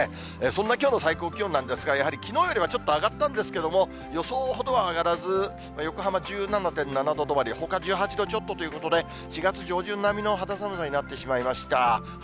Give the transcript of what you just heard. そんなきょうの最高気温なんですが、やはりきのうよりはちょっと上がったんですけれども、予想ほどは上がらず、横浜１７．７度止まり、ほか１８度ちょっとということで、４月上旬並みの肌寒さになってしまいました。